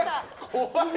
怖い。